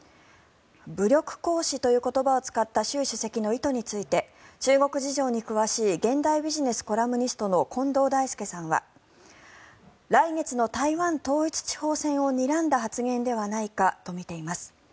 武力行使という言葉を使った習主席の意図について中国事情に詳しい現代ビジネスコラムニストの近藤大介さんは来月の台湾統一地方選をにらんだ発言ではないかと分析しています。